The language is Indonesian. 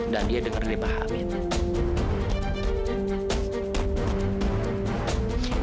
dan dia denger deh pak hamid